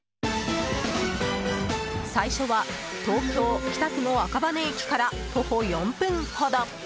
最初は、東京・北区の赤羽駅から徒歩４分ほど。